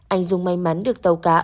anh dung may mắn được tàu cáo